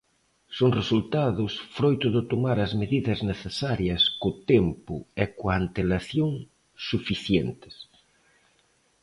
Son resultados froito de tomar as medidas necesarias co tempo e coa antelación suficiente.